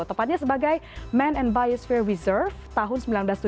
tepatnya sebagai man and biosfer reserve tahun seribu sembilan ratus tujuh puluh